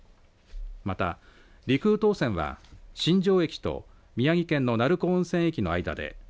また、陸羽東線は新庄駅と宮城県の鳴子温泉駅の間で。